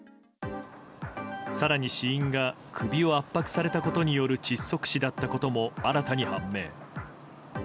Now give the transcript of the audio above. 更に死因が首を圧迫されたことによる窒息死だったことも新たに判明。